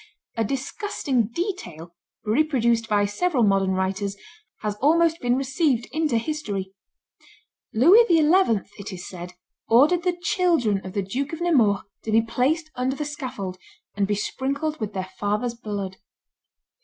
A disgusting detail, reproduced by several modern writers, has almost been received into history. Louis XI., it is said, ordered the children of the Duke of Nemours to be placed under the scaffold, and be sprinkled with their father's blood.